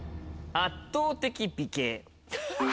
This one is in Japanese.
圧倒的美形！